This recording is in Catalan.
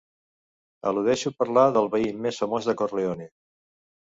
Eludeixo parlar del veí més famós de Corleone.